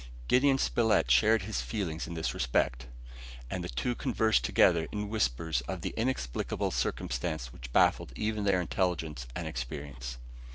Gideon Spilett shared his feelings in this respect, and the two conversed together in whispers of the inexplicable circumstance which baffled even their intelligence and experience.